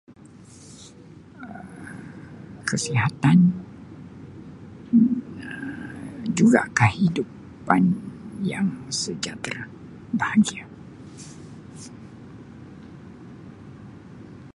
Um Kesihatan Um juga kahidupan yang sejahtera, bahagia.